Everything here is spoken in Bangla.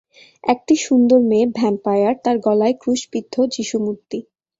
একটি সুন্দর মেয়ে ভ্যাম্পায়ার, তার গলায় ক্রুশবিদ্ধ যীশু মূর্তি।